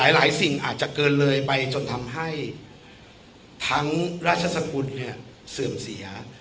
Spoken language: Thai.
สิ่งอาจจะเกินเลยไปจนทำให้ทั้งราชสกุลเนี่ยเสื่อมเสีย